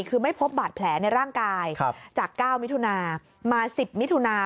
คือไม่พบบาดแผลในร่างกายจาก๙มิถุนามา๑๐มิถุนา